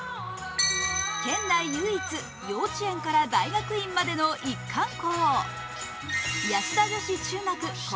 県内唯一、幼稚園から大学院までの一貫校。